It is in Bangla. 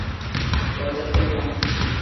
দরজা খোল, মা!